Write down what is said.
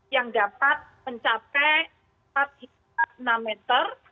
yang dapat mencapai empat hingga enam meter